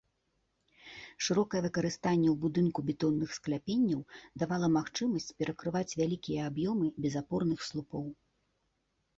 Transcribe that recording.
Шырокае выкарыстанне ў будынку бетонных скляпенняў давала магчымасць перакрываць вялікія аб'ёмы без апорных слупоў.